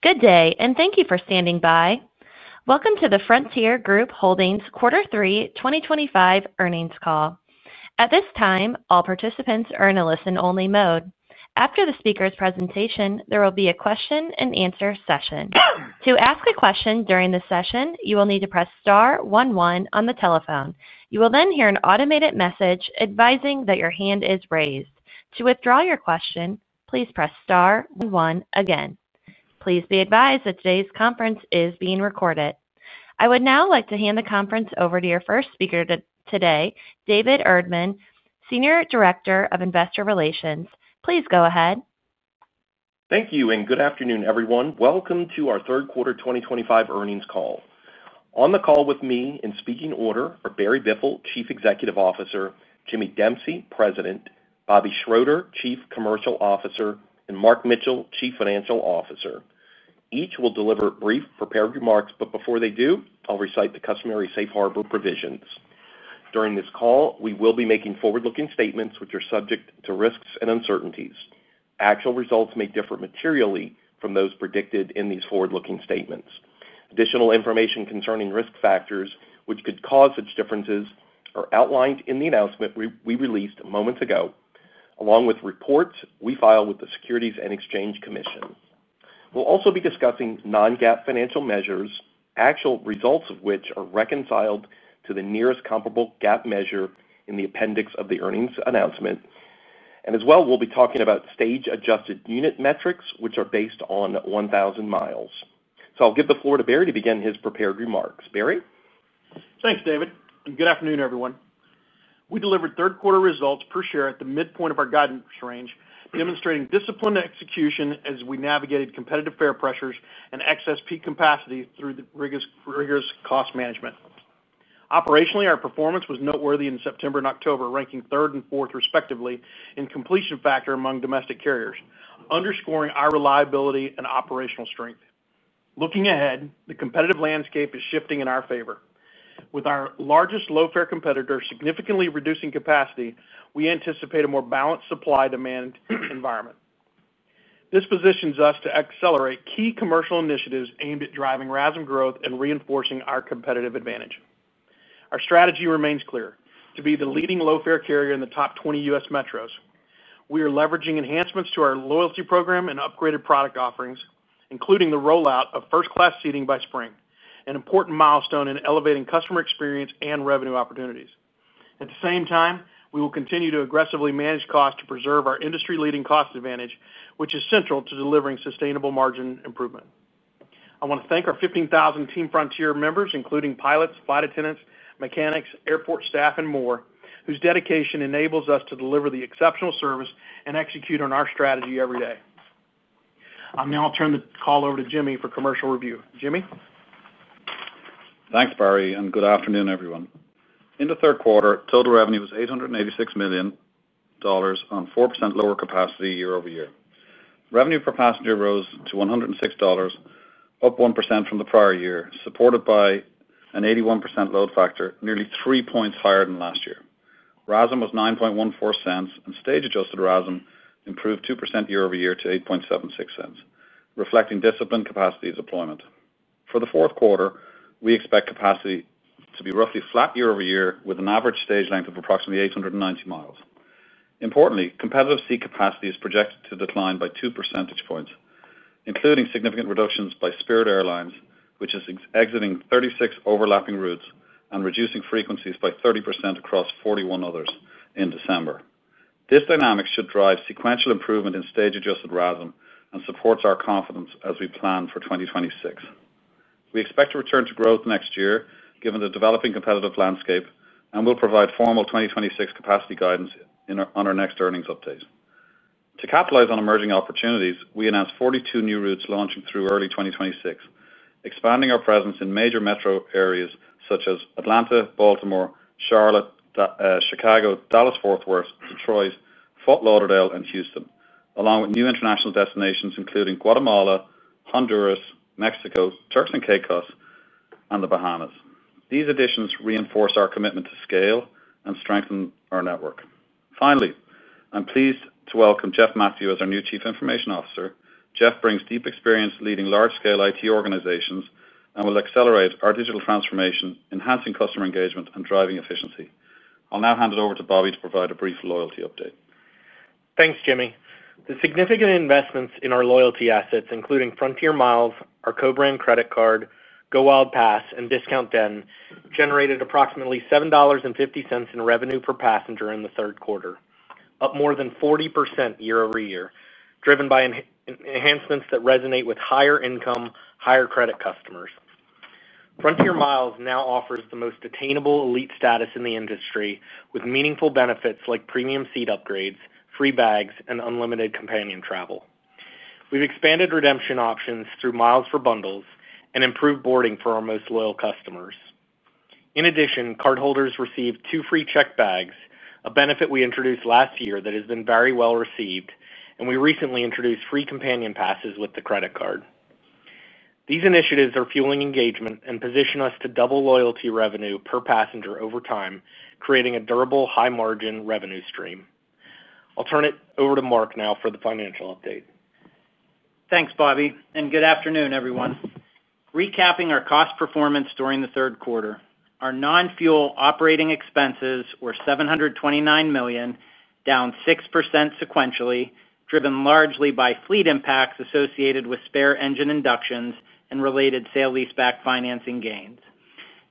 Good day, and thank you for standing by. Welcome to the Frontier Group Holdings quarter three 2025 earnings call. At this time, all participants are in a listen-only mode. After the speaker's presentation, there will be a question-and-answer session. To ask a question during the session, you will need to press star one one on the telephone. You will then hear an automated message advising that your hand is raised. To withdraw your question, please press star one one again. Please be advised that today's conference is being recorded. I would now like to hand the conference over to your first speaker today, David Erdman, Senior Director of Investor Relations. Please go ahead. Thank you, and good afternoon, everyone. Welcome to our third quarter 2025 earnings call. On the call with me in speaking order are Barry Biffle, Chief Executive Officer, Jimmy Dempsey, President, Bobby Schroeter, Chief Commercial Officer, and Mark Mitchell, Chief Financial Officer. Each will deliver brief prepared remarks, but before they do, I'll recite the customary safe harbor provisions. During this call, we will be making forward-looking statements which are subject to risks and uncertainties. Actual results may differ materially from those predicted in these forward-looking statements. Additional information concerning risk factors which could cause such differences are outlined in the announcement we released moments ago, along with reports we filed with the Securities and Exchange Commission. We'll also be discussing non-GAAP financial measures, actual results of which are reconciled to the nearest comparable GAAP measure in the appendix of the earnings announcement. As well, we'll be talking about stage-adjusted unit metrics which are based on 1,000 mi. I'll give the floor to Barry to begin his prepared remarks. Barry? Thanks, David. Good afternoon, everyone. We delivered third-quarter results per share at the midpoint of our guidance range, demonstrating disciplined execution as we navigated competitive fare pressures and excess peak capacity through rigorous cost management. Operationally, our performance was noteworthy in September and October, ranking third and fourth respectively in completion factor among domestic carriers, underscoring our reliability and operational strength. Looking ahead, the competitive landscape is shifting in our favor. With our largest low-fare competitor significantly reducing capacity, we anticipate a more balanced supply-demand environment. This positions us to accelerate key commercial initiatives aimed at driving RASM growth and reinforcing our competitive advantage. Our strategy remains clear: to be the leading low-fare carrier in the top 20 U.S. metros. We are leveraging enhancements to our loyalty program and upgraded product offerings, including the rollout of first-class seating by spring, an important milestone in elevating customer experience and revenue opportunities. At the same time, we will continue to aggressively manage costs to preserve our industry-leading cost advantage, which is central to delivering sustainable margin improvement. I want to thank our 15,000 Team Frontier members, including pilots, flight attendants, mechanics, airport staff, and more, whose dedication enables us to deliver the exceptional service and execute on our strategy every day. Now I'll turn the call over to Jimmy for commercial review. Jimmy? Thanks, Barry, and good afternoon, everyone. In the third quarter, total revenue was $886 million. On 4% lower capacity year-over-year. Revenue per passenger rose to $106. Up 1% from the prior year, supported by an 81% load factor, nearly three percentage points higher than last year. RASM was $0.0914, and stage-adjusted RASM improved 2% year-over-year to $0.0876, reflecting disciplined capacity deployment. For the fourth quarter, we expect capacity to be roughly flat year-over-year with an average stage length of approximately 890 mi. Importantly, competitive seat capacity is projected to decline by two percentage points, including significant reductions by Spirit Airlines, which is exiting 36 overlapping routes and reducing frequencies by 30% across 41 others in December. This dynamic should drive sequential improvement in stage-adjusted RASM and supports our confidence as we plan for 2026. We expect to return to growth next year, given the developing competitive landscape, and will provide formal 2026 capacity guidance on our next earnings update. To capitalize on emerging opportunities, we announced 42 new routes launching through early 2026, expanding our presence in major metro areas such as Atlanta, Baltimore, Charlotte, Chicago, Dallas-Fort Worth, Detroit, Fort Lauderdale, and Houston, along with new international destinations including Guatemala, Honduras, Mexico, Turks and Caicos, and the Bahamas. These additions reinforce our commitment to scale and strengthen our network. Finally, I'm pleased to welcome Jeff Matthew as our new Chief Information Officer. Jeff brings deep experience leading large-scale IT organizations and will accelerate our digital transformation, enhancing customer engagement and driving efficiency. I'll now hand it over to Bobby to provide a brief loyalty update. Thanks, Jimmy. The significant investments in our loyalty assets, including Frontier Miles, our co-brand credit card, Go Wild Pass, and Discount Den, generated approximately $7.50 in revenue per passenger in the third quarter, up more than 40% year-over-year, driven by enhancements that resonate with higher-income, higher-credit customers. Frontier Miles now offers the most attainable elite status in the industry, with meaningful benefits like premium seat upgrades, free bags, and unlimited companion travel. We have expanded redemption options through Miles for Bundles and improved boarding for our most loyal customers. In addition, cardholders receive two free checked bags, a benefit we introduced last year that has been very well received, and we recently introduced free companion passes with the credit card. These initiatives are fueling engagement and position us to double loyalty revenue per passenger over time, creating a durable, high-margin revenue stream. I'll turn it over to Mark now for the financial update. Thanks, Bobby, and good afternoon, everyone. Recapping our cost performance during the third quarter, our non-fuel operating expenses were $729 million, down 6% sequentially, driven largely by fleet impacts associated with spare engine inductions and related sale lease-back financing gains.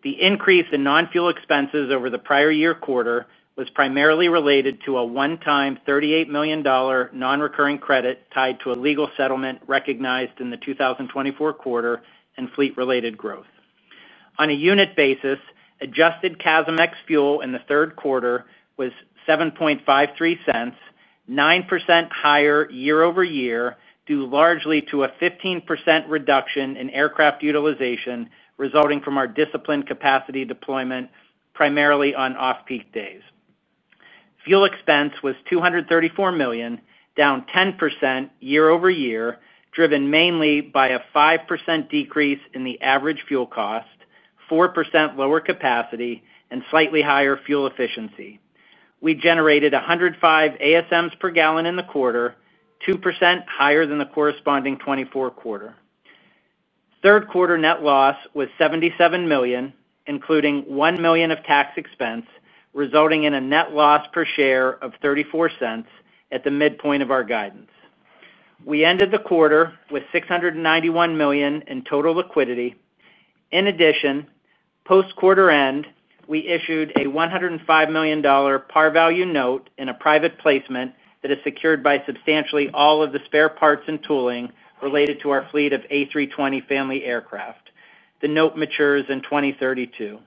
The increase in non-fuel expenses over the prior year quarter was primarily related to a one-time $38 million non-recurring credit tied to a legal settlement recognized in the 2024 quarter and fleet-related growth. On a unit basis, adjusted CASM ex fuel in the third quarter was $0.0753, 9% higher year-over-year, due largely to a 15% reduction in aircraft utilization resulting from our disciplined capacity deployment primarily on off-peak days. Fuel expense was $234 million, down 10% year-over-year, driven mainly by a 5% decrease in the average fuel cost, 4% lower capacity, and slightly higher fuel efficiency. We generated 105 ASMs per gallon in the quarter, 2% higher than the corresponding 2024 quarter. Third quarter net loss was $77 million, including $1 million of tax expense, resulting in a net loss per share of $0.34 at the midpoint of our guidance. We ended the quarter with $691 million in total liquidity. In addition, post-quarter end, we issued a $105 million par value note in a private placement that is secured by substantially all of the spare parts and tooling related to our fleet of A320 family aircraft. The note matures in 2032.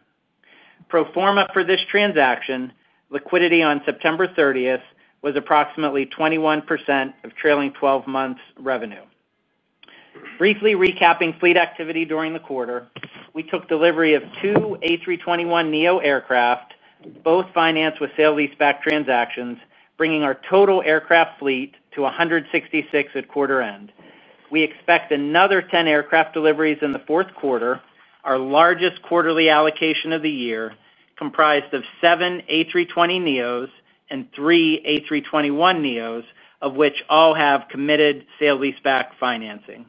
Pro forma for this transaction, liquidity on September 30 was approximately 21% of trailing 12 months' revenue. Briefly recapping fleet activity during the quarter, we took delivery of two A321neo aircraft, both financed with sale lease-back transactions, bringing our total aircraft fleet to 166 at quarter end. We expect another 10 aircraft deliveries in the fourth quarter, our largest quarterly allocation of the year, comprised of seven A320neos and three A321neos, of which all have committed sale lease-back financing.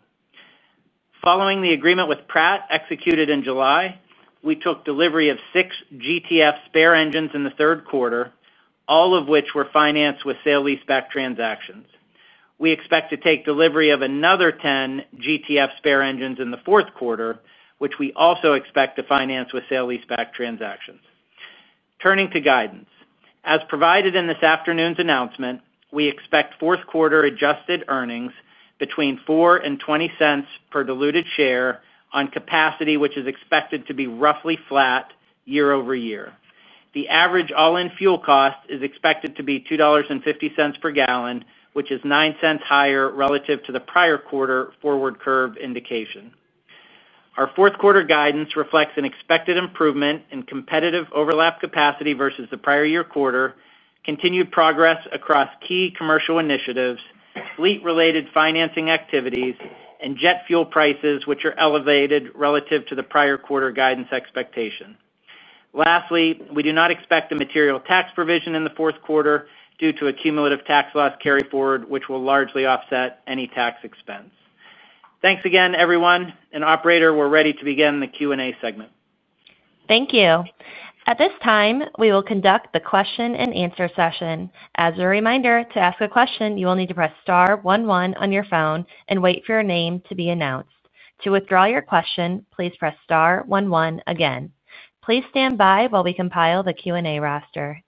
Following the agreement with Pratt & Whitney executed in July, we took delivery of six GTF spare engines in the third quarter, all of which were financed with sale lease-back transactions. We expect to take delivery of another 10 GTF spare engines in the fourth quarter, which we also expect to finance with sale lease-back transactions. Turning to guidance, as provided in this afternoon's announcement, we expect fourth-quarter adjusted earnings between $0.04 and $0.20 per diluted share on capacity, which is expected to be roughly flat year-over-year. The average all-in fuel cost is expected to be $2.50 per gallon, which is $0.09 higher relative to the prior quarter forward curve indication. Our fourth-quarter guidance reflects an expected improvement in competitive overlap capacity versus the prior year quarter, continued progress across key commercial initiatives, fleet-related financing activities, and jet fuel prices, which are elevated relative to the prior quarter guidance expectation. Lastly, we do not expect a material tax provision in the fourth quarter due to accumulative tax loss carry forward, which will largely offset any tax expense. Thanks again, everyone. Operator, we're ready to begin the Q&A segment. Thank you. At this time, we will conduct the question-and-answer session. As a reminder, to ask a question, you will need to press star one one on your phone and wait for your name to be announced. To withdraw your question, please press star one one again. Please stand by while we compile the Q&A roster.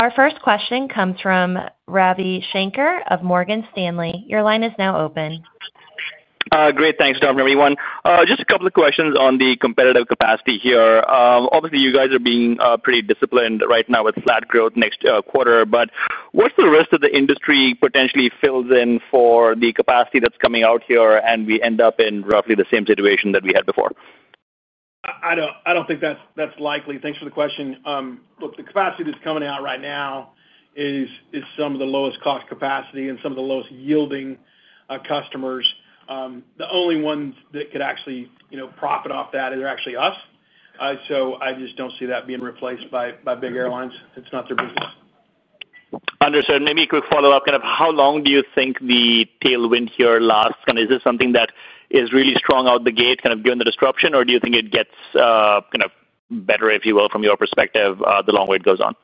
Our first question comes from Ravi Shanker of Morgan Stanley. Your line is now open. Great. Thanks, Dr. Everyone. Just a couple of questions on the competitive capacity here. Obviously, you guys are being pretty disciplined right now with flat growth next quarter, but what's the risk that the industry potentially fills in for the capacity that's coming out here and we end up in roughly the same situation that we had before? I don't think that's likely. Thanks for the question. Look, the capacity that's coming out right now is some of the lowest cost capacity and some of the lowest yielding customers. The only ones that could actually profit off that are actually us. I just don't see that being replaced by big airlines. It's not their business. Understood. Maybe a quick follow-up. Kind of how long do you think the tailwind here lasts? Kind of is this something that is really strong out the gate, kind of during the disruption, or do you think it gets kind of better, if you will, from your perspective, the longer it goes on?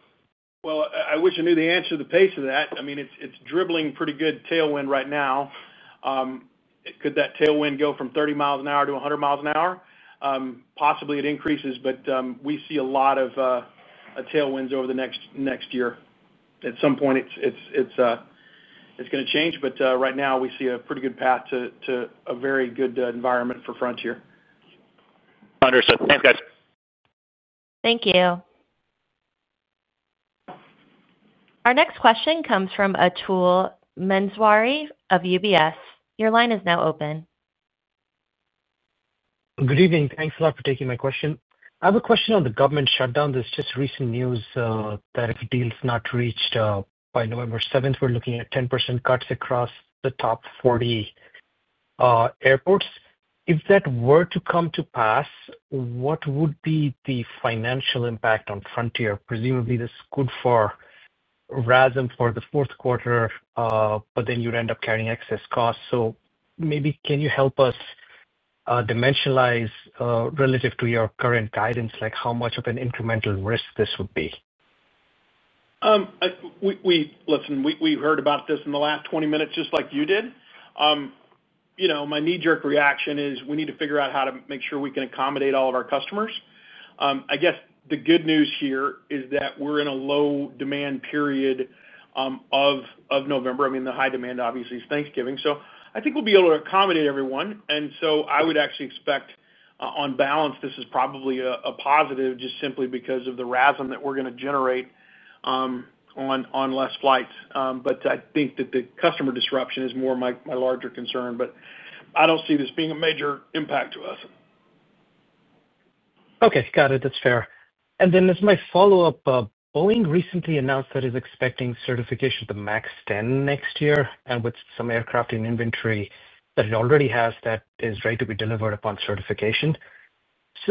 I wish I knew the answer to the pace of that. I mean, it is dribbling pretty good tailwind right now. Could that tailwind go from 30 mi an hour to 100 mi an hour? Possibly it increases, but we see a lot of tailwinds over the next year. At some point, it is going to change, but right now we see a pretty good path to a very good environment for Frontier. Understood. Thanks, guys. Thank you. Our next question comes from Atul Maheswari of UBS. Your line is now open. Good evening. Thanks a lot for taking my question. I have a question on the government shutdown. There's just recent news that if a deal's not reached by November 7th, we're looking at 10% cuts across the top 40 airports. If that were to come to pass, what would be the financial impact on Frontier? Presumably, this could for RASM for the fourth quarter, but then you'd end up carrying excess costs. So maybe can you help us dimensionalize relative to your current guidance, like how much of an incremental risk this would be? Listen, we heard about this in the last 20 minutes just like you did. My knee-jerk reaction is we need to figure out how to make sure we can accommodate all of our customers. I guess the good news here is that we're in a low-demand period of November. I mean, the high demand obviously is Thanksgiving. I think we'll be able to accommodate everyone. I would actually expect, on balance, this is probably a positive just simply because of the RASM that we're going to generate on less flights. I think that the customer disruption is more my larger concern, but I don't see this being a major impact to us. Okay. Got it. That's fair. As my follow-up, Boeing recently announced that it's expecting certification to MAX 10 next year, and with some aircraft in inventory that it already has that is ready to be delivered upon certification.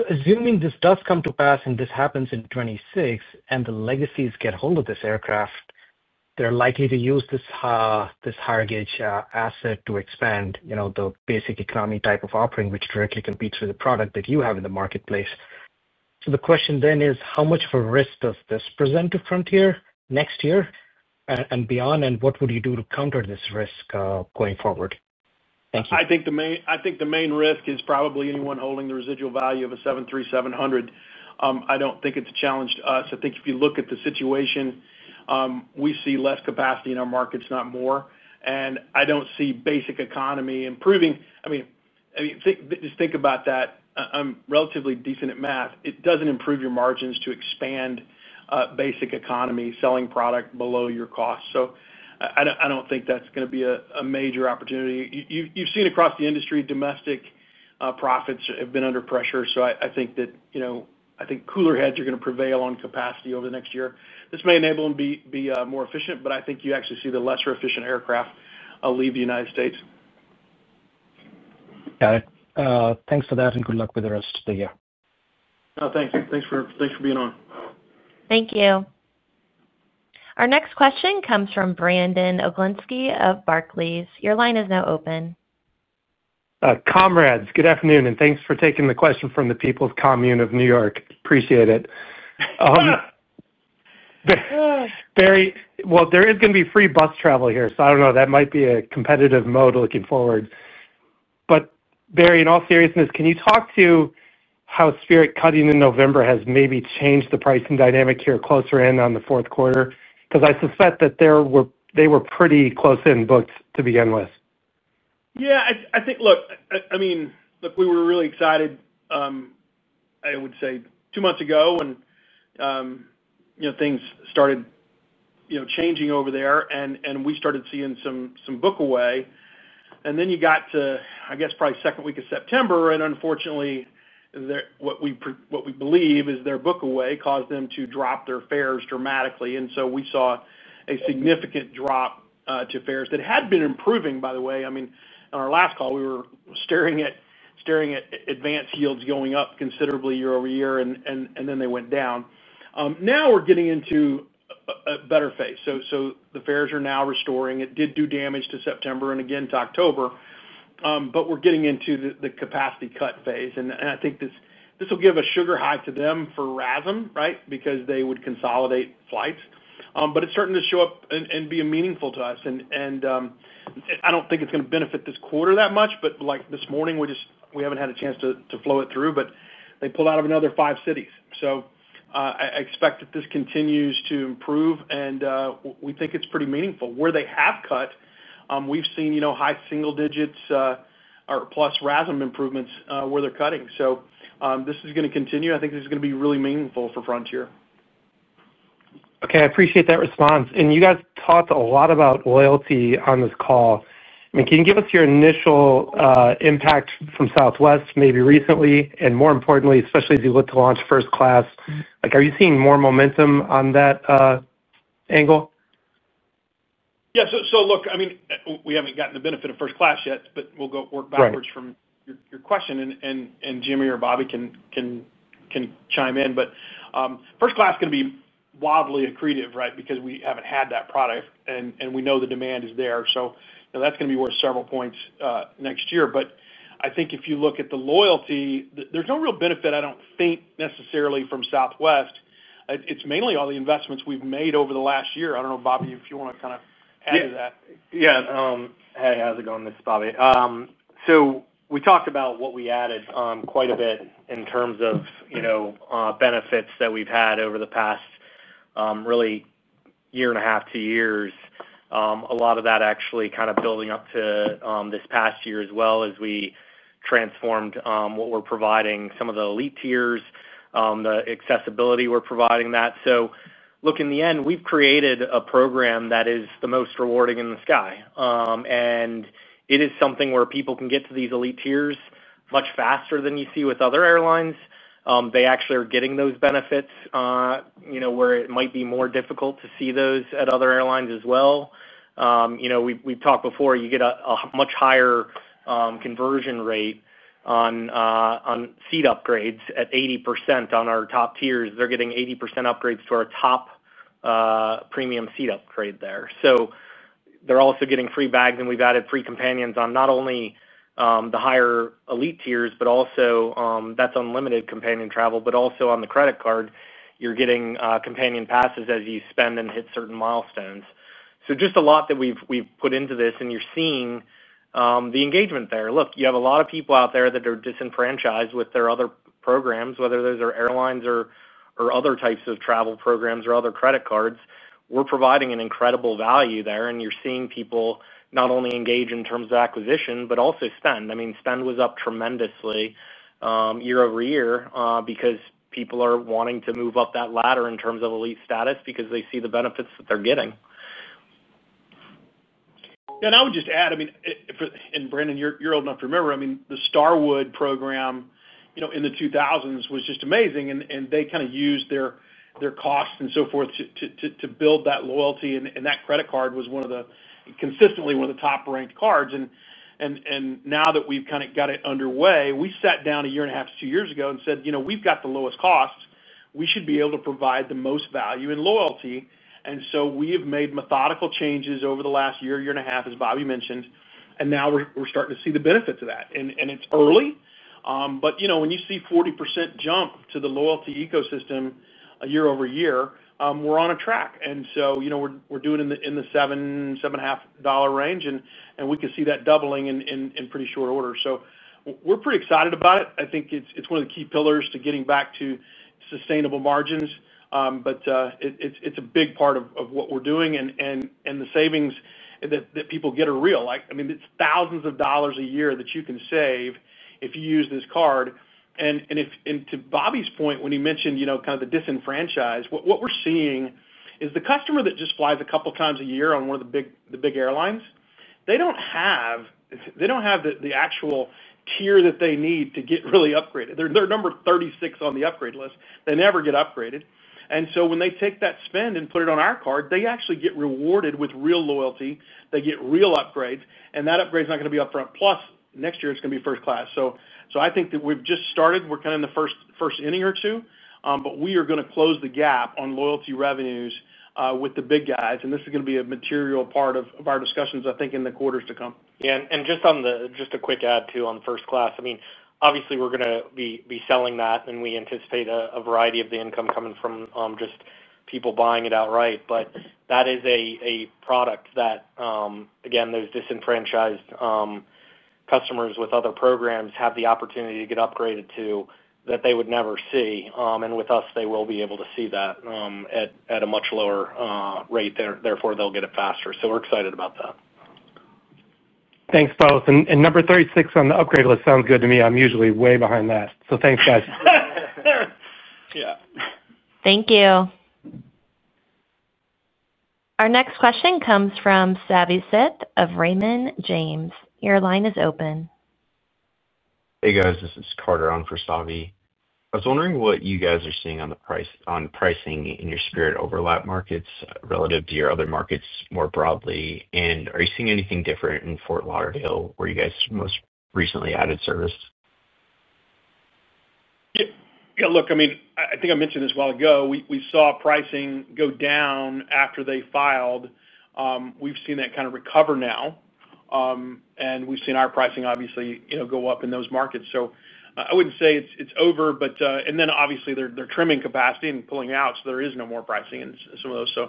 Assuming this does come to pass and this happens in 2026 and the legacies get hold of this aircraft, they're likely to use this higher-gauge asset to expand the basic economy type of offering, which directly competes with the product that you have in the marketplace. The question then is, how much of a risk does this present to Frontier next year and beyond, and what would you do to counter this risk going forward? Thank you. I think the main risk is probably anyone holding the residual value of a 73700. I don't think it's challenged us. I think if you look at the situation, we see less capacity in our markets, not more. I don't see basic economy improving. I mean, just think about that. Relatively decent at math. It doesn't improve your margins to expand basic economy selling product below your cost. I don't think that's going to be a major opportunity. You've seen across the industry, domestic profits have been under pressure. I think that cooler heads are going to prevail on capacity over the next year. This may enable them to be more efficient, but I think you actually see the lesser efficient aircraft leave the United States. Got it. Thanks for that and good luck with the rest of the year. Thank you. Thanks for being on. Thank you. Our next question comes from Brandon Oglenski of Barclays. Your line is now open. Comrades, good afternoon, and thanks for taking the question from the People's Commune of New York. Appreciate it. Barry, there is going to be free bus travel here, so I do not know. That might be a competitive mode looking forward. Barry, in all seriousness, can you talk to how Spirit cutting in November has maybe changed the pricing dynamic here closer in on the fourth quarter? Because I suspect that they were pretty close in books to begin with. Yeah. I think, look, I mean, look, we were really excited. I would say, two months ago when things started changing over there, and we started seeing some book away. I guess, probably second week of September, and unfortunately, what we believe is their book away caused them to drop their fares dramatically. We saw a significant drop to fares that had been improving, by the way. I mean, on our last call, we were staring at advance yields going up considerably year-over-year, and then they went down. Now we're getting into a better phase. The fares are now restoring. It did do damage to September and again to October. We're getting into the capacity cut phase. I think this will give a sugar high to them for RASM, right, because they would consolidate flights. It is starting to show up and be meaningful to us. I do not think it is going to benefit this quarter that much, but like this morning, we have not had a chance to flow it through, but they pulled out of another five cities. I expect that this continues to improve, and we think it is pretty meaningful. Where they have cut, we have seen high single digits or plus RASM improvements where they are cutting. This is going to continue. I think this is going to be really meaningful for Frontier. Okay. I appreciate that response. You guys talked a lot about loyalty on this call. I mean, can you give us your initial impact from Southwest, maybe recently, and more importantly, especially as you look to launch first class? Are you seeing more momentum on that angle? Yeah. Look, I mean, we have not gotten the benefit of first class yet, but we will work backwards from your question, and Jimmy or Bobby can chime in. First class is going to be wildly accretive, right, because we have not had that product, and we know the demand is there. That is going to be worth several points next year. I think if you look at the loyalty, there is no real benefit, I do not think, necessarily from Southwest. It is mainly all the investments we have made over the last year. I do not know, Bobby, if you want to kind of add to that. Yeah. Hey, how's it going? This is Bobby. We talked about what we added quite a bit in terms of benefits that we've had over the past really year and a half to two years. A lot of that actually kind of building up to this past year as well as we transformed what we're providing, some of the elite tiers, the accessibility we're providing that. Look, in the end, we've created a program that is the most rewarding in the sky. It is something where people can get to these elite tiers much faster than you see with other airlines. They actually are getting those benefits, where it might be more difficult to see those at other airlines as well. We've talked before, you get a much higher conversion rate on seat upgrades at 80% on our top tiers. They're getting 80% upgrades to our top. Premium seat upgrade there. They are also getting free bags, and we have added free companions on not only the higher elite tiers, but also that is unlimited companion travel, but also on the credit card, you are getting companion passes as you spend and hit certain milestones. Just a lot that we have put into this, and you are seeing the engagement there. Look, you have a lot of people out there that are disenfranchised with their other programs, whether those are airlines or other types of travel programs or other credit cards. We are providing an incredible value there, and you are seeing people not only engage in terms of acquisition, but also spend. I mean, spend was up tremendously year-over-year because people are wanting to move up that ladder in terms of elite status because they see the benefits that they are getting. Yeah. I would just add, I mean, and Brandon, you're old enough to remember, I mean, the Starwood program. In the 2000s was just amazing, and they kind of used their costs and so forth to build that loyalty. That credit card was one of the consistently one of the top-ranked cards. Now that we've kind of got it underway, we sat down a year and a half, two years ago and said, "We've got the lowest costs. We should be able to provide the most value in loyalty." We have made methodical changes over the last year, year and a half, as Bobby mentioned, and now we're starting to see the benefits of that. It's early. When you see a 40% jump to the loyalty ecosystem year-over-year, we're on a track. We're doing in the $7-$7.5 range, and we can see that doubling in pretty short order. We're pretty excited about it. I think it's one of the key pillars to getting back to sustainable margins. It's a big part of what we're doing. The savings that people get are real. I mean, it's thousands of dollars a year that you can save if you use this card. To Bobby's point, when he mentioned kind of the disenfranchised, what we're seeing is the customer that just flies a couple of times a year on one of the big airlines, they don't have the actual tier that they need to get really upgraded. They're number 36 on the upgrade list. They never get upgraded. When they take that spend and put it on our card, they actually get rewarded with real loyalty. They get real upgrades, and that upgrade is not going to be Upfront Plus next year, it's going to be first class. I think that we've just started. We're kind of in the first inning or two, but we are going to close the gap on loyalty revenues with the big guys. This is going to be a material part of our discussions, I think, in the quarters to come. Yeah. And just a quick add too on first class. I mean, obviously, we're going to be selling that, and we anticipate a variety of the income coming from just people buying it outright. But that is a product that, again, those disenfranchised customers with other programs have the opportunity to get upgraded to that they would never see. And with us, they will be able to see that at a much lower rate. Therefore, they'll get it faster. So we're excited about that. Thanks, both. Number 36 on the upgrade list sounds good to me. I'm usually way behind that. Thanks, guys. Yeah. Thank you. Our next question comes from Savanthi Syth of Raymond James. Your line is open. Hey, guys. This is Carter on for Savanthi. I was wondering what you guys are seeing on pricing in your Spirit overlap markets relative to your other markets more broadly. Are you seeing anything different in Fort Lauderdale where you guys most recently added service? Yeah. Look, I mean, I think I mentioned this a while ago. We saw pricing go down after they filed. We've seen that kind of recover now. And we've seen our pricing, obviously, go up in those markets. I wouldn't say it's over, but then obviously, they're trimming capacity and pulling out, so there is no more pricing in some of those.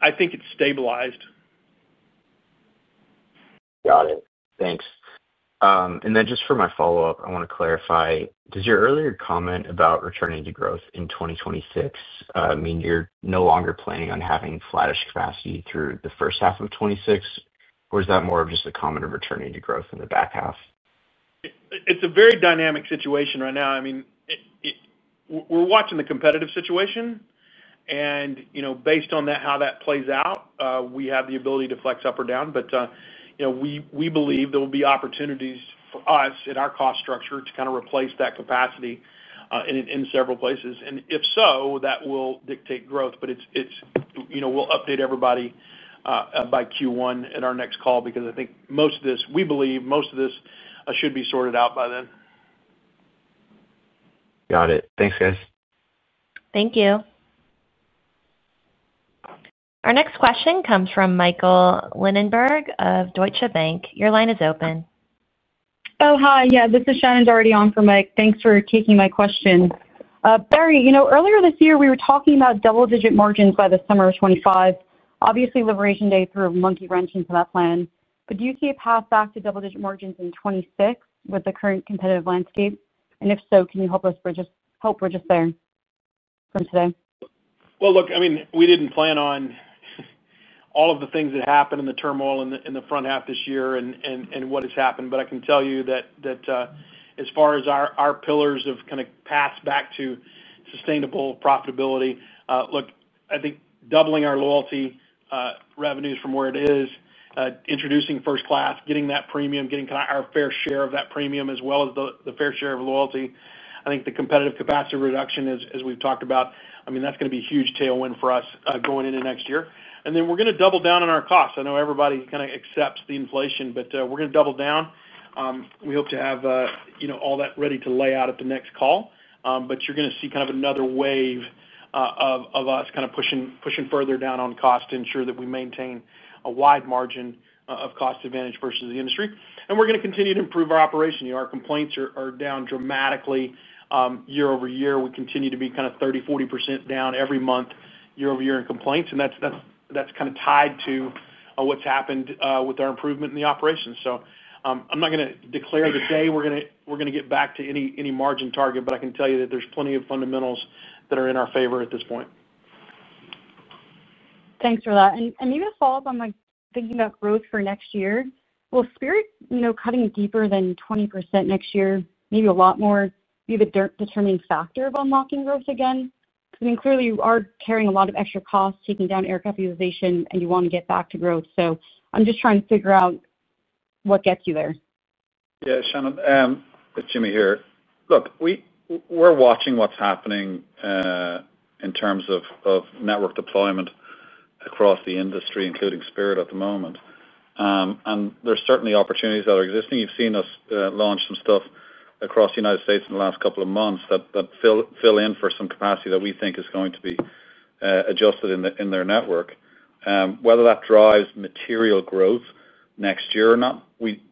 I think it's stabilized. Got it. Thanks. For my follow-up, I want to clarify. Does your earlier comment about returning to growth in 2026 mean you're no longer planning on having flattish capacity through the first half of 2026? Or is that more of just a comment of returning to growth in the back half? It's a very dynamic situation right now. I mean, we're watching the competitive situation. Based on how that plays out, we have the ability to flex up or down. We believe there will be opportunities for us in our cost structure to kind of replace that capacity in several places. If so, that will dictate growth. We'll update everybody by Q1 at our next call because I think most of this, we believe most of this should be sorted out by then. Got it. Thanks, guys. Thank you. Our next question comes from Michael Linenberg of Deutsche Bank. Your line is open. Oh, hi. Yeah. This is Shannon Doherty on for Mike. Thanks for taking my question. Barry, earlier this year, we were talking about double-digit margins by the summer of 2025. Obviously, Liberation Day threw a monkey wrench into that plan. Do you see a path back to double-digit margins in 2026 with the current competitive landscape? If so, can you help us. Just help register from today? I mean, we did not plan on all of the things that happened in the turmoil in the front half this year and what has happened. I can tell you that as far as our pillars have kind of passed back to sustainable profitability. I think doubling our loyalty revenues from where it is, introducing first class, getting that premium, getting our fair share of that premium as well as the fair share of loyalty. I think the competitive capacity reduction, as we have talked about, that is going to be a huge tailwind for us going into next year. We are going to double down on our costs. I know everybody kind of accepts the inflation, but we are going to double down. We hope to have all that ready to lay out at the next call. You're going to see kind of another wave of us kind of pushing further down on cost to ensure that we maintain a wide margin of cost advantage versus the industry. We're going to continue to improve our operation. Our complaints are down dramatically year-over-year. We continue to be kind of 30%-40% down every month year-over-year in complaints. That's kind of tied to what's happened with our improvement in the operation. I'm not going to declare the day we're going to get back to any margin target, but I can tell you that there's plenty of fundamentals that are in our favor at this point. Thanks for that. Maybe a follow-up on thinking about growth for next year. Will Spirit cutting deeper than 20% next year, maybe a lot more, be the determining factor of unlocking growth again? I mean, clearly, you are carrying a lot of extra costs taking down aircraft utilization, and you want to get back to growth. I am just trying to figure out what gets you there. Yeah. Shannon, it's Jimmy here. Look, we're watching what's happening. In terms of network deployment across the industry, including Spirit at the moment. There's certainly opportunities that are existing. You've seen us launch some stuff across the United States in the last couple of months that fill in for some capacity that we think is going to be adjusted in their network. Whether that drives material growth next year or not, we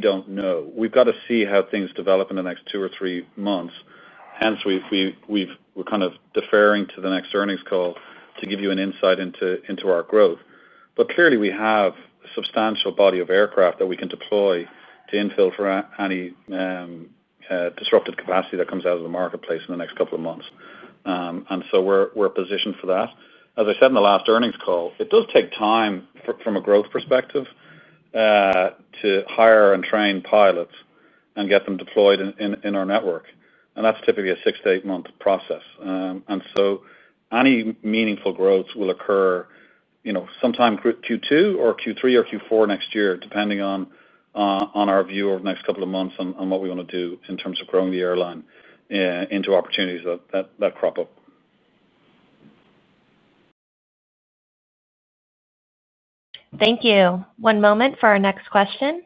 don't know. We've got to see how things develop in the next two or three months. Hence, we're kind of deferring to the next earnings call to give you an insight into our growth. Clearly, we have a substantial body of aircraft that we can deploy to infiltrate any disruptive capacity that comes out of the marketplace in the next couple of months. We're positioned for that. As I said in the last earnings call, it does take time from a growth perspective to hire and train pilots and get them deployed in our network. That is typically a six- to eight-month process. Any meaningful growth will occur sometime Q2 or Q3 or Q4 next year, depending on our view over the next couple of months and what we want to do in terms of growing the airline into opportunities that crop up. Thank you. One moment for our next question.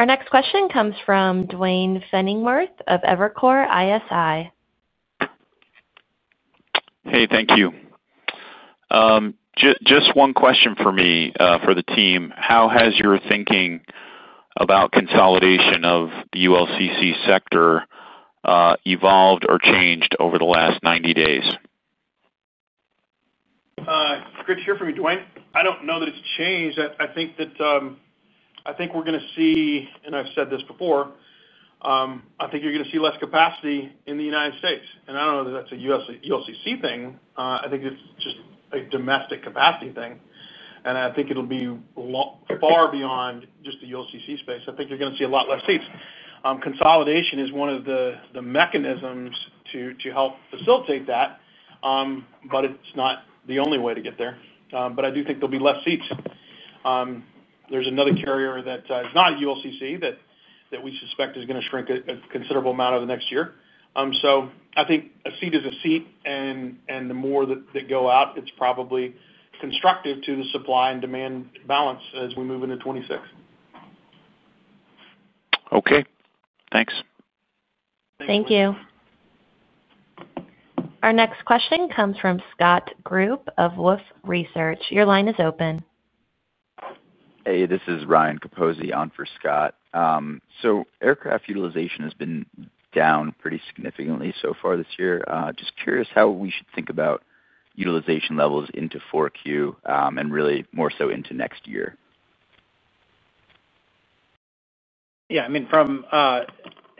Our next question comes from Duane Pfennigwerth of Evercore ISI. Hey, thank you. Just one question for me for the team. How has your thinking about consolidation of the ULCC sector evolved or changed over the last 90 days? It's great to hear from you, Duane. I don't know that it's changed. I think we're going to see, and I've said this before, I think you're going to see less capacity in the U.S. I don't know that that's a ULCC thing. I think it's just a domestic capacity thing. I think it'll be far beyond just the ULCC space. I think you're going to see a lot less seats. Consolidation is one of the mechanisms to help facilitate that. It's not the only way to get there. I do think there'll be less seats. There's another carrier that is not ULCC that we suspect is going to shrink a considerable amount over the next year. I think a seat is a seat, and the more that go out, it's probably constructive to the supply and demand balance as we move into 2026. Okay. Thanks. Thank you. Our next question comes from Scott Group of Wolfe Research. Your line is open. Hey, this is Ryan Capozzi on for Scott. Aircraft utilization has been down pretty significantly so far this year. Just curious how we should think about utilization levels into Q4 and really more so into next year. Yeah. I mean, from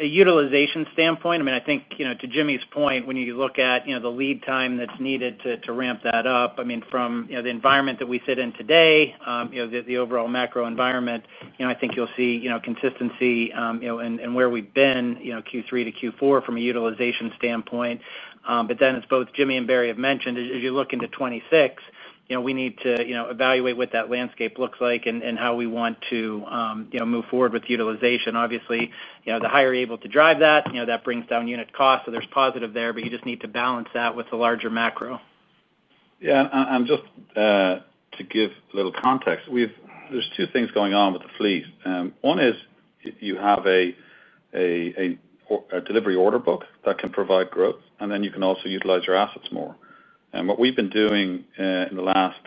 a utilization standpoint, I mean, I think to Jimmy's point, when you look at the lead time that's needed to ramp that up, I mean, from the environment that we sit in today, the overall macro environment, I think you'll see consistency in where we've been Q3 to Q4 from a utilization standpoint. But then as both Jimmy and Barry have mentioned, as you look into 2026, we need to evaluate what that landscape looks like and how we want to move forward with utilization. Obviously, the higher you're able to drive that, that brings down unit costs. So there's positive there, but you just need to balance that with the larger macro. Yeah. And just to give a little context, there's two things going on with the fleet. One is, you have a delivery order book that can provide growth, and then you can also utilize your assets more. What we've been doing in the last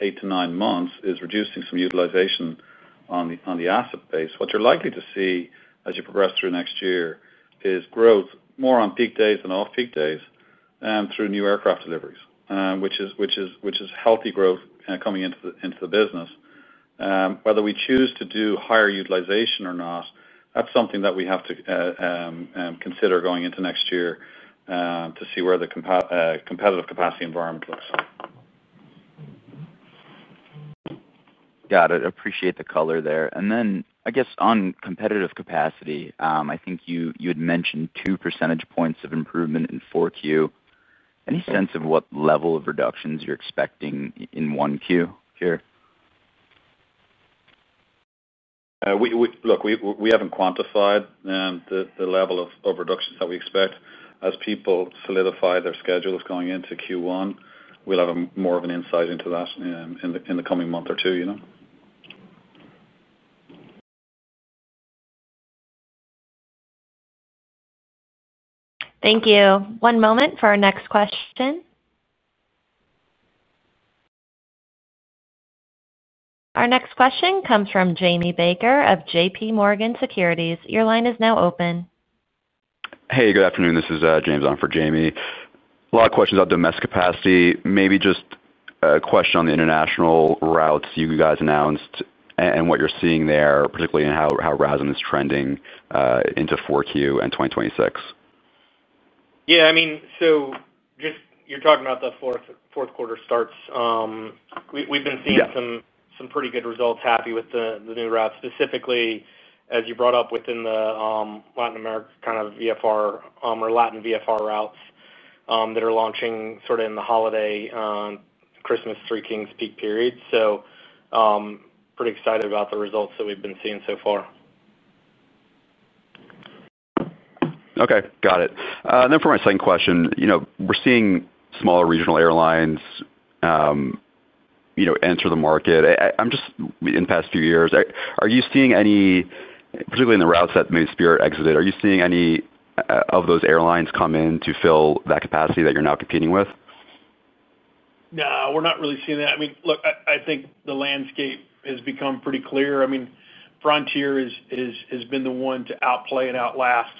eight to nine months is reducing some utilization on the asset base. What you're likely to see as you progress through next year is growth more on peak days than off-peak days through new aircraft deliveries, which is healthy growth coming into the business. Whether we choose to do higher utilization or not, that's something that we have to consider going into next year to see where the competitive capacity environment looks. Got it. Appreciate the color there. I guess on competitive capacity, I think you had mentioned two percentage points of improvement in Q4. Any sense of what level of reductions you're expecting in Q1 here? Look, we haven't quantified the level of reductions that we expect. As people solidify their schedules going into Q1, we'll have more of an insight into that in the coming month or two. Thank you. One moment for our next question. Our next question comes from Jamie Baker of JP Morgan Securities. Your line is now open. Hey, good afternoon. This is James on for Jamie. A lot of questions about domestic capacity, maybe just a question on the international routes you guys announced and what you're seeing there, particularly in how RASM is trending into Q4 and 2026. Yeah. I mean, so just you're talking about the fourth quarter starts. We've been seeing some pretty good results, happy with the new routes, specifically as you brought up within the Latin America kind of VFR or Latin VFR routes that are launching sort of in the holiday, Christmas, Three Kings peak period. Pretty excited about the results that we've been seeing so far. Okay. Got it. For my second question, we're seeing smaller regional airlines enter the market. In the past few years, are you seeing any, particularly in the routes that maybe Spirit exited, are you seeing any of those airlines come in to fill that capacity that you're now competing with? No, we're not really seeing that. I mean, look, I think the landscape has become pretty clear. I mean, Frontier has been the one to outplay and outlast.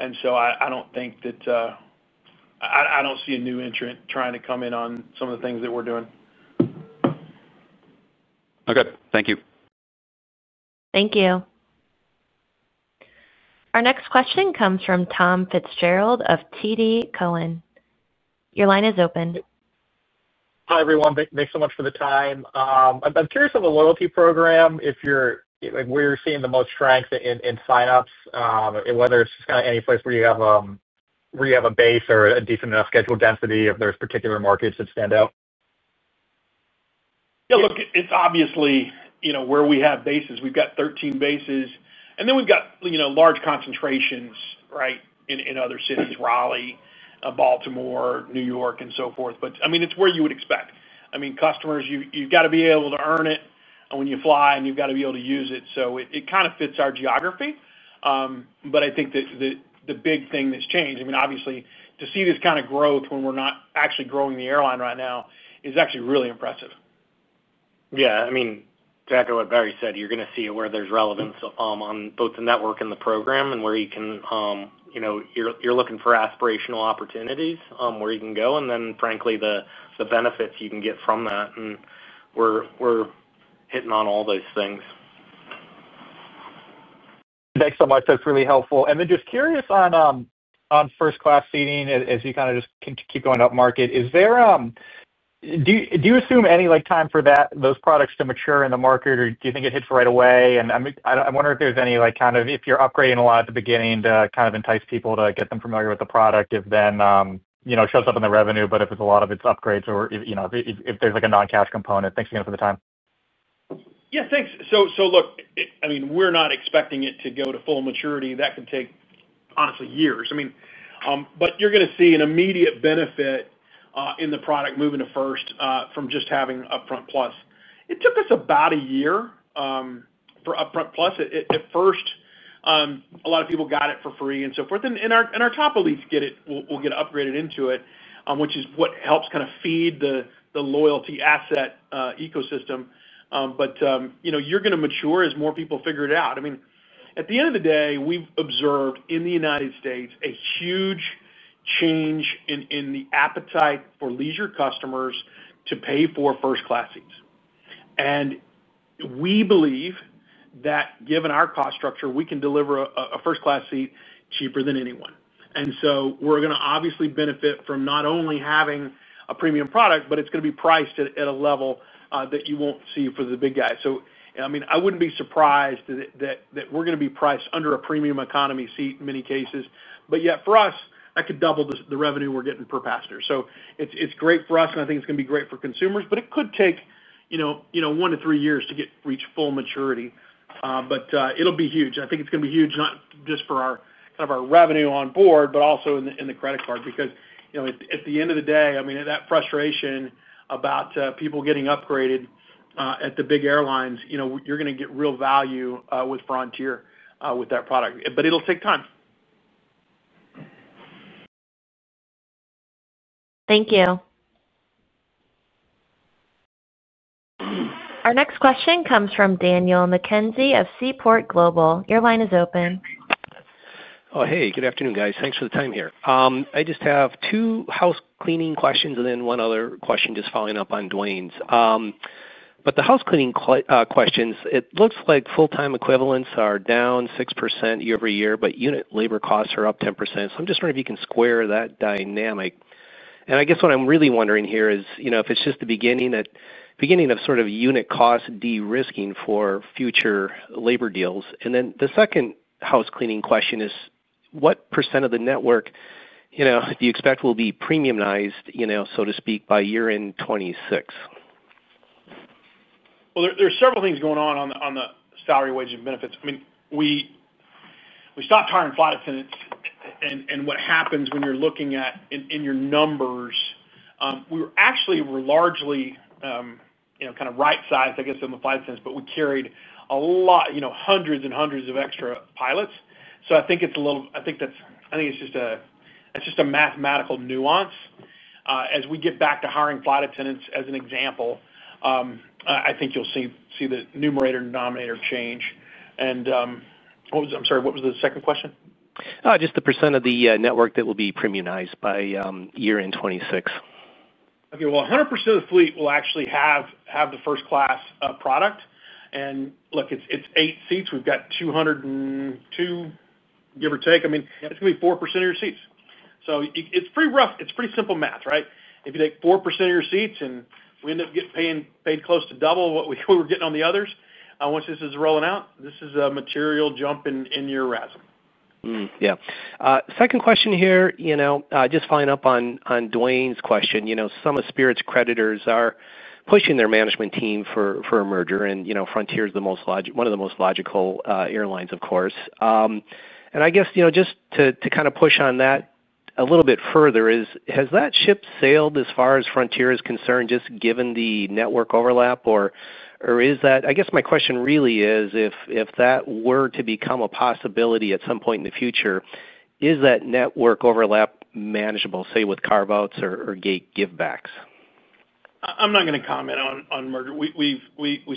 I don't think that. I don't see a new entrant trying to come in on some of the things that we're doing. Okay. Thank you. Thank you. Our next question comes from Tom Fitzgerald of TD Cowen. Your line is open. Hi, everyone. Thanks so much for the time. I'm curious on the loyalty program, if you're where you're seeing the most strength in sign-ups, whether it's just kind of any place where you have a base or a decent enough schedule density, if there's particular markets that stand out. Yeah. Look, it's obviously where we have bases. We've got 13 bases. And then we've got large concentrations, right, in other cities, Raleigh, Baltimore, New York, and so forth. I mean, it's where you would expect. I mean, customers, you've got to be able to earn it when you fly, and you've got to be able to use it. It kind of fits our geography. I think the big thing that's changed, I mean, obviously, to see this kind of growth when we're not actually growing the airline right now is actually really impressive. Yeah. I mean, exactly what Barry said, you're going to see where there's relevance on both the network and the program and where you can. You're looking for aspirational opportunities where you can go. And then, frankly, the benefits you can get from that. And we're hitting on all those things. Thanks so much. That's really helpful. Then just curious on first-class seating as you kind of just keep going up market. Do you assume any time for those products to mature in the market, or do you think it hits right away? I wonder if there's any kind of, if you're upgrading a lot at the beginning to kind of entice people to get them familiar with the product, if then it shows up in the revenue, but if a lot of it is upgrades or if there's a non-cash component. Thanks again for the time. Yeah. Thanks. Look, I mean, we're not expecting it to go to full maturity. That can take, honestly, years. I mean, but you're going to see an immediate benefit in the product moving to first from just having Upfront Plus. It took us about a year for Upfront Plus at first. A lot of people got it for free and so forth. Our top elites will get upgraded into it, which is what helps kind of feed the loyalty asset ecosystem. You're going to mature as more people figure it out. I mean, at the end of the day, we've observed in the United States a huge change in the appetite for leisure customers to pay for first-class seats. We believe that given our cost structure, we can deliver a first-class seat cheaper than anyone. We're going to obviously benefit from not only having a premium product, but it's going to be priced at a level that you won't see for the big guys. I mean, I wouldn't be surprised that we're going to be priced under a premium economy seat in many cases. For us, I could double the revenue we're getting per passenger. It's great for us, and I think it's going to be great for consumers, but it could take one to three years to reach full maturity. It'll be huge. I think it's going to be huge, not just for kind of our revenue on board, but also in the credit card because at the end of the day, I mean, that frustration about people getting upgraded at the big airlines, you're going to get real value with Frontier with that product. It'll take time. Thank you. Our next question comes from Daniel McKenzie of Seaport Global. Your line is open. Oh, hey, good afternoon, guys. Thanks for the time here. I just have two house cleaning questions and then one other question just following up on Dwayne's. The house cleaning questions, it looks like full-time equivalents are down 6% year-over-year, but unit labor costs are up 10%. I'm just wondering if you can square that dynamic. I guess what I'm really wondering here is if it's just the beginning of sort of unit cost de-risking for future labor deals. The second house cleaning question is what percent of the network do you expect will be premiumized, so to speak, by year in 2026? There are several things going on on the salary, wage, and benefits. I mean, we stopped hiring flight attendants. What happens when you're looking at in your numbers, we actually were largely kind of right-sized, I guess, in the flight attendants, but we carried a lot, hundreds and hundreds of extra pilots. I think it's a little, I think it's just a mathematical nuance. As we get back to hiring flight attendants, as an example, I think you'll see the numerator and denominator change. I'm sorry, what was the second question? Just the percent of the network that will be premiumized by year in 2026. Okay. 100% of the fleet will actually have the first-class product. Look, it's eight seats. We've got 202, give or take. I mean, it's going to be 4% of your seats. It's pretty rough. It's pretty simple math, right? If you take 4% of your seats and we end up getting paid close to double what we were getting on the others, once this is rolling out, this is a material jump in your RASM. Yeah. Second question here, just following up on Dwayne's question, some of Spirit's creditors are pushing their management team for a merger, and Frontier is one of the most logical airlines, of course. I guess just to kind of push on that a little bit further, has that ship sailed as far as Frontier is concerned, just given the network overlap? Or is that, I guess my question really is, if that were to become a possibility at some point in the future, is that network overlap manageable, say, with carve-outs or gate give-backs? I'm not going to comment on merger. We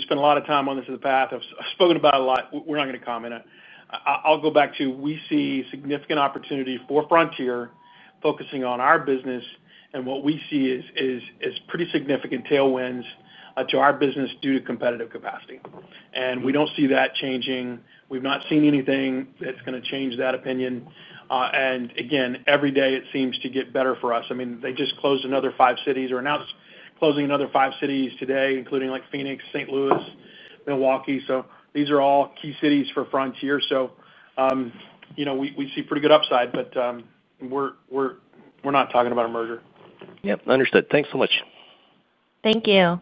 spent a lot of time on this in the past. I've spoken about it a lot. We're not going to comment on it. I'll go back to we see significant opportunity for Frontier focusing on our business, and what we see is pretty significant tailwinds to our business due to competitive capacity. We don't see that changing. We've not seen anything that's going to change that opinion. Again, every day it seems to get better for us. I mean, they just closed another five cities or announced closing another five cities today, including Phoenix, St. Louis, Milwaukee. These are all key cities for Frontier. We see pretty good upside, but we're not talking about a merger. Yep. Understood. Thanks so much. Thank you.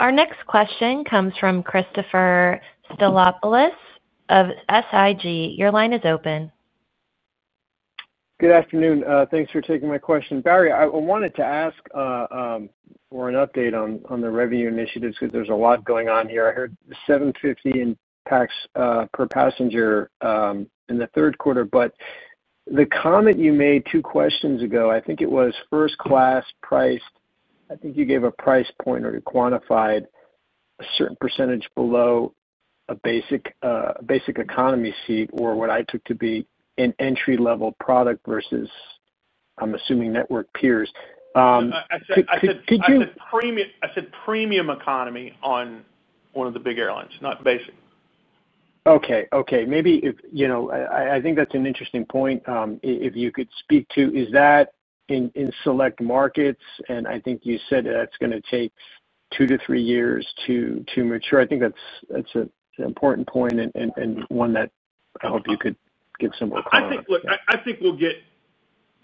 Our next question comes from Christopher Stathoulopoulos of SIG. Your line is open. Good afternoon. Thanks for taking my question. Barry, I wanted to ask for an update on the revenue initiatives because there's a lot going on here. I heard $7.50 per passenger in the third quarter. The comment you made two questions ago, I think it was first-class priced. I think you gave a price point or you quantified a certain percentage below a basic economy seat or what I took to be an entry-level product versus, I'm assuming, network peers. I said premium economy on one of the big airlines, not basic. Okay. Maybe I think that's an interesting point. If you could speak to, is that in select markets? I think you said that's going to take two to three years to mature. I think that's an important point and one that I hope you could give some more comment on. I think we'll get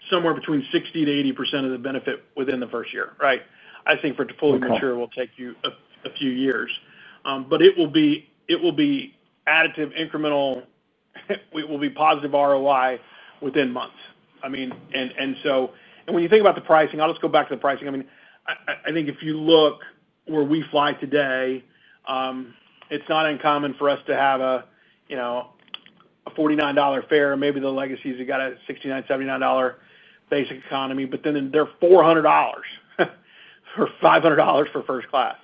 somewhere between 60%-80% of the benefit within the first year, right? I think for fully mature, it will take you a few years. But it will be additive, incremental. It will be positive ROI within months. I mean, and so when you think about the pricing, I'll just go back to the pricing. I mean, I think if you look where we fly today, it's not uncommon for us to have a $49 fare. Maybe the Legacy's got a $69, $79 basic economy, but then they're $400 or $500 for first class.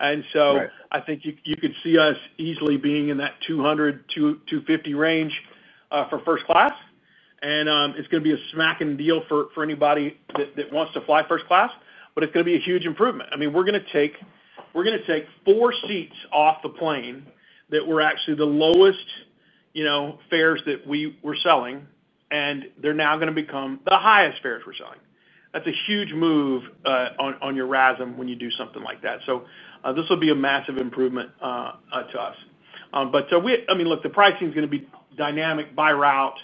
And so I think you could see us easily being in that $200-$250 range for first class. And it's going to be a smacking deal for anybody that wants to fly first class, but it's going to be a huge improvement. I mean, we're going to take. Four seats off the plane that were actually the lowest fares that we were selling, and they're now going to become the highest fares we're selling. That's a huge move on your RASM when you do something like that. This will be a massive improvement to us. I mean, look, the pricing is going to be dynamic by route,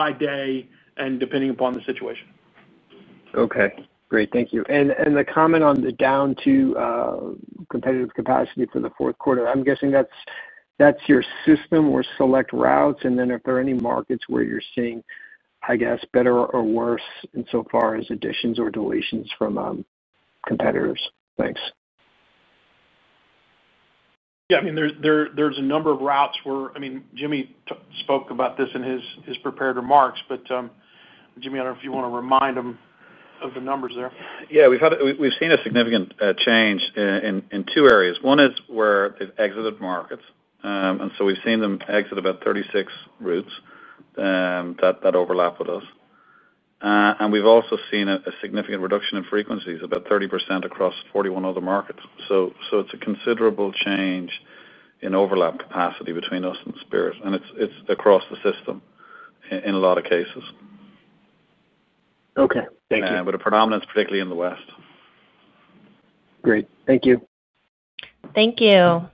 by day, and depending upon the situation. Okay. Great. Thank you. The comment on the down to competitive capacity for the fourth quarter, I'm guessing that's your system or select routes. If there are any markets where you're seeing, I guess, better or worse in so far as additions or deletions from competitors. Thanks. Yeah. I mean, there's a number of routes where, I mean, Jimmy spoke about this in his prepared remarks, but. Jimmy, I don't know if you want to remind them of the numbers there. Yeah. We've seen a significant change in two areas. One is where they've exited markets. We've seen them exit about 36 routes that overlap with us. We've also seen a significant reduction in frequencies, about 30% across 41 other markets. It is a considerable change in overlap capacity between us and Spirit. It is across the system in a lot of cases. Okay. Thank you. A predominance, particularly in the west. Great. Thank you. Thank you.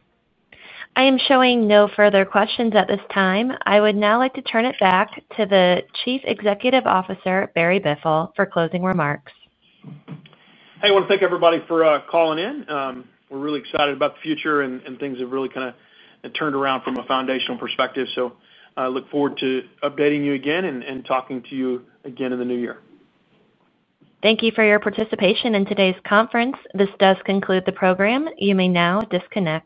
I am showing no further questions at this time. I would now like to turn it back to the Chief Executive Officer, Barry Biffle, for closing remarks. Hey, I want to thank everybody for calling in. We're really excited about the future, and things have really kind of turned around from a foundational perspective. I look forward to updating you again and talking to you again in the new year. Thank you for your participation in today's conference. This does conclude the program. You may now disconnect.